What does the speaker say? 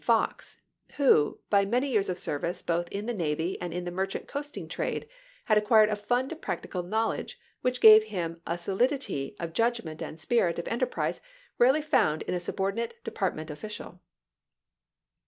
Fox, who, by many years of service both in the navy and in the merchant coasting trade, had acquired a fund of practical knowledge which gave him a solidity of judgment and spirit of enterprise rarely found in a subordinate department official.